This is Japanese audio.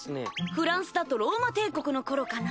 フランスだとローマ帝国のころかな？